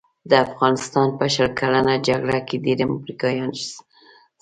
د افغانستان په شل کلنه جګړه کې ډېر امریکایان سټ شول.